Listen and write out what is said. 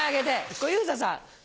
小遊三さん。